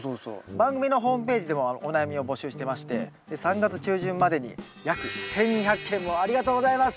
番組のホームページでもお悩みを募集してまして３月中旬までにありがとうございます！